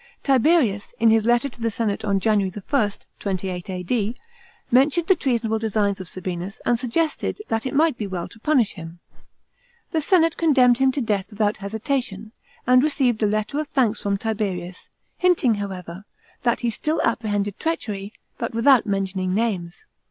Tiberius, in his letter to the senate on January 1st (28 A,D.), mentioned the treasonable designs ol Sabinus, and suggested that it might be well to punish him. The senate condemned him to death without hesitation and received a letter of thanks from Tiberius, hinting, however, that he still apprehended treachery, but without mentioning names.